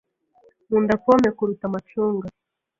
Nkunda pome kuruta amacunga